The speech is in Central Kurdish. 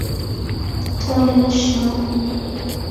تۆ لە لەشما